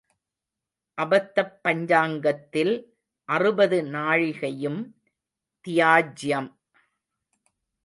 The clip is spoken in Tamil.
அபத்தப் பஞ்சாங்கத்தில் அறுபது நாழிகையும் தியாஜ்யம்.